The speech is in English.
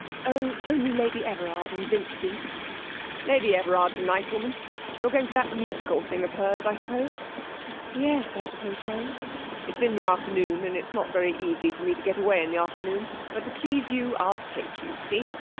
'Oh, only Lady Everard and Vincy.' 'Lady Everard is a nice woman. You're going to that musical thing of hers, I suppose?' 'Yes, I suppose so.' 'It's in the afternoon, and it's not very easy for me to get away in the afternoon, but to please you, I'll take you see?